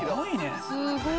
すごいね。